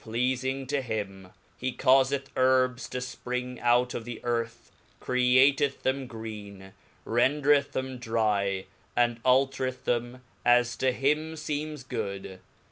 ea(ing to him ; he caiifeth herbs to fpring out of the earth createth them green, rendreth them dry, and altcreth them as to him feems good.